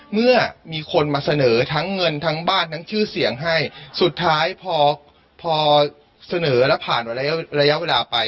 เมื่อมีคนมาเสนอทั้งเงินทั้งบ้านทั้งชื่อเสียงให้สุดท้ายพอพอเสนอแล้วผ่านระยะระยะเวลาไป